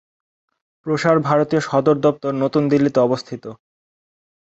প্রসার ভারতীর সদর দপ্তর নতুন দিল্লিতে অবস্থিত।